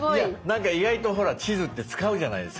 なんか意外とほら地図って使うじゃないですか。